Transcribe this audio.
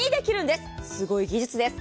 すごい技術です。